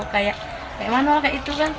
tidak ada seandainya mencurigakan